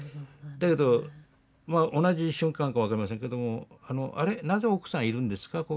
だけど同じ瞬間か分かりませんけども「あれなぜ奥さんいるんですか？